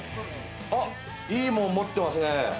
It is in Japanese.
いいもん持ってますね。